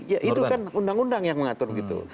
ya itu kan undang undang yang mengatur gitu